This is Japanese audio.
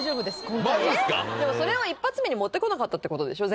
今回はでもそれを一発目に持ってこなかったってことでしょ？